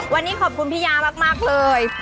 วันนี้ขอบคุณพี่ยามากเลย